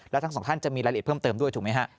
แล้วทั้งสองท่านจะมีรายละเอียดเพิ่มเติมด้วยถูกไหมฮะ